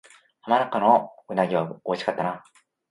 浜名湖の鰻は美味しかったな